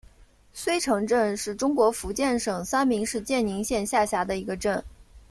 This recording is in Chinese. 濉城镇是中国福建省三明市建宁县下辖的一个镇。